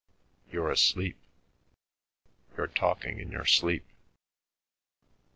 You're asleep. You're talking in your sleep."